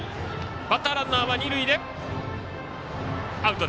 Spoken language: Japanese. バッターランナーは二塁でアウト。